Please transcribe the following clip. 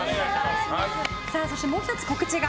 そしてもう１つ告知が。